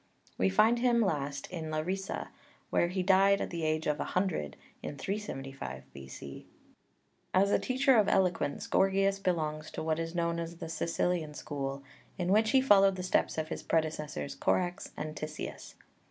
We find him last in Larissa, where he died at the age of a hundred in 375 B.C. As a teacher of eloquence Gorgias belongs to what is known as the Sicilian school, in which he followed the steps of his predecessors, Korax and Tisias.